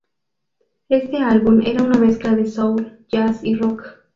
Este álbum era una mezcla de soul, jazz y rock.